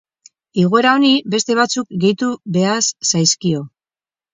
Igoera honi beste batzuk gehitu behaz zaizkio.